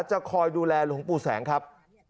จะคอยดูแลหลวงปู่แสงครับ